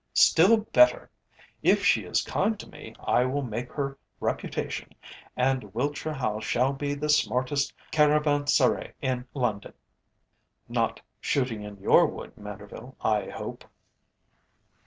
"Still better! If she is kind to me I will make her reputation, and Wiltshire House shall be the smartest caravansérai in London. Not shooting in your wood, Manderville, I hope?"